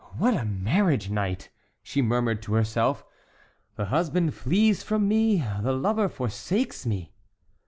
"What a marriage night!" she murmured to herself; "the husband flees from me—the lover forsakes me!"